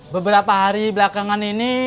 beberapa hari belakangan ini